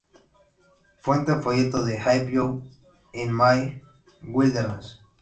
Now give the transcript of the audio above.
Fuente: Folleto de "Have You in My Wilderness".